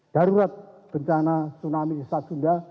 darurat bencana tsunami di stad sunda